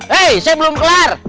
hei saya belum kelar